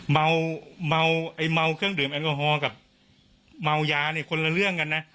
เมาเครื่องดื่มแอกอฮอล์กับเมายานี่คนลาเรื่องกันนะ